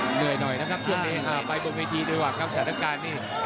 เหนื่อยหน่อยนะครับช่วงนี้ไปบนเวทีดีกว่าครับสถานการณ์นี่